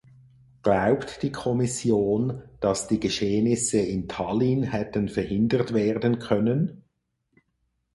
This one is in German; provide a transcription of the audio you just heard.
Glaubt die Kommission, dass die Geschehnisse in Tallinn hätten verhindert werden können?